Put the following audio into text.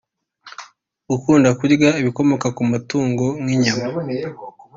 Gukunda kurya ibikomoka ku matungo nk’ inyama